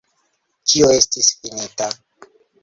Ĉio estis finita.